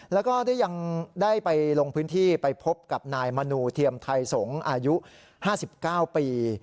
แล้วก็ได้ยังได้ไปลงพื้นที่ไปพบกับนายมนูเทียมไทยสงฆ์อายุ๕๙ปี